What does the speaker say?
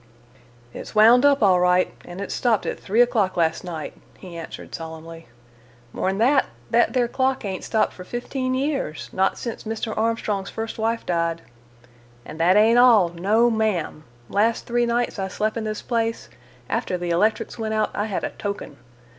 "It's wound up, all right, and it stopped at three o'clock last night," he answered solemnly. "More'n that, that there clock ain't stopped for fifteen years, not since Mr. Armstrong's first wife died. And that ain't all,—no ma'm. Last three nights I slep' in this place, after the electrics went out I had a token.